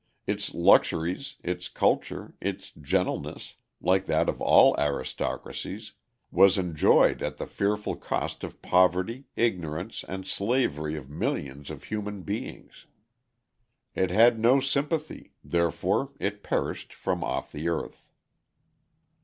Its luxuries, its culture, its gentleness, like that of all aristocracies, was enjoyed at the fearful cost of poverty, ignorance, and slavery of millions of human beings. It had no sympathy, therefore it perished from off the earth.